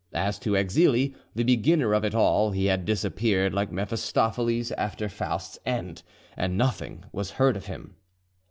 As to Exili, the beginner of it all, he had disappeared like Mephistopheles after Faust's end, and nothing was heard of him.